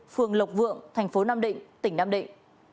phường lộc vượng thành phố nam định tỉnh nam định